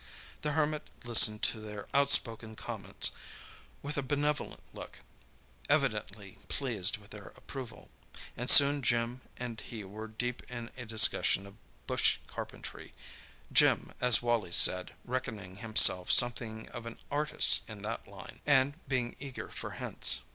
The Hermit listened to their outspoken comments with a benevolent look, evidently pleased with their approval, and soon Jim and he were deep in a discussion of bush carpentry—Jim, as Wally said, reckoning himself something of an artist in that line, and being eager for hints.